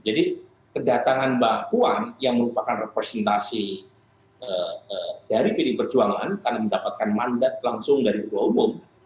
jadi kedatangan mbak puan yang merupakan representasi dari pilih perjuangan karena mendapatkan mandat langsung dari kepala umum